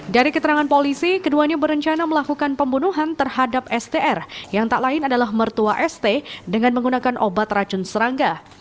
dari keterangan polisi keduanya berencana melakukan pembunuhan terhadap str yang tak lain adalah mertua st dengan menggunakan obat racun serangga